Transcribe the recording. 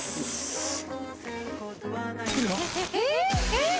えっ？